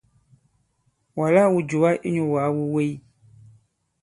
Wàlā wū jùwa inyū wàa wu wèy.